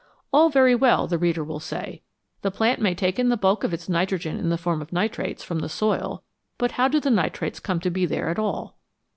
All very well, the reader will say, the plant may take in the bulk of its nitrogen in the form of nitrates from the soil, but how do the nitrates come to be there at all